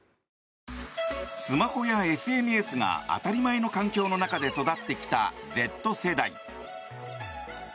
スマホやＳＮＳが当たり前の環境の中で育ってきたＺ世代。